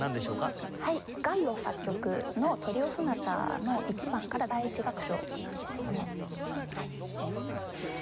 はいガッロ作曲の『トリオ・ソナタ１番』から第１楽章なんですよね。